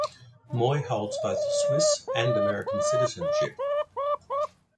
Moy holds both Swiss and American citizenship.